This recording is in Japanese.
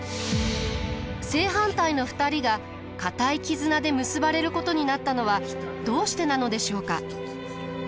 正反対の２人が固い絆で結ばれることになったのはどうしてなのでしょうか？